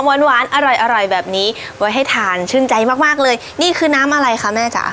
หวานหวานอร่อยอร่อยแบบนี้ไว้ให้ทานชื่นใจมากมากเลยนี่คือน้ำอะไรคะแม่จ๋า